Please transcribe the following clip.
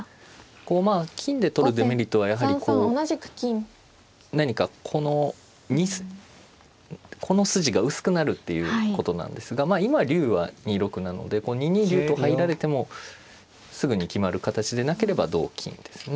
こうまあ金で取るデメリットはやはりこう何かこのこの筋が薄くなるっていうことなんですが今竜は２六なのでこう２二竜と入られてもすぐに決まる形でなければ同金ですね。